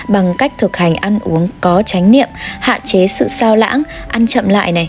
bằng cách thực hành ăn uống có tránh niệm hạ chế sự sao lãng ăn chậm lại